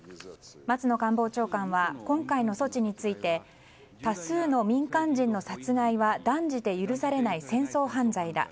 松野官房長官は今回の措置について多数の民間人の殺害は断じて許されない戦争犯罪だ。